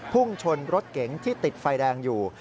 พุ่งชนรถเก๋งที่ติดไฟแดงอยู่